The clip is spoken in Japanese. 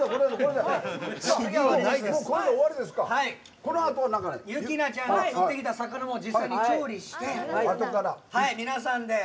このあとは侑那ちゃんが釣ってきた魚も料理して皆さんで。